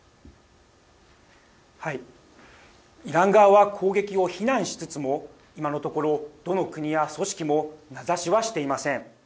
イラン側は攻撃を非難しつつも今のところ、どの国や組織も名指しはしていません。